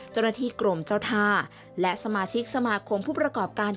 เจ้าหน้าที่กรมเจ้าท่าและสมาชิกสมาคมผู้ประกอบการ